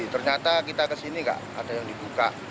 ternyata kita kesini gak ada yang dibuka